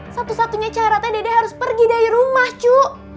satu satunya caranya dede harus pergi dari rumah cu